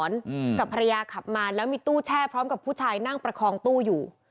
อืมกับภรรยาขับมาแล้วมีตู้แช่พร้อมกับผู้ชายนั่งประคองตู้อยู่